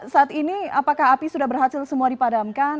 saat ini apakah api sudah berhasil semua dipadamkan